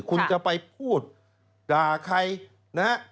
คุณจะไปพูดด่าใครนะฮะ